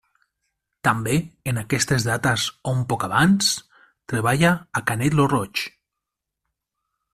També, en aquestes dates o un poc abans, treballa a Canet lo Roig.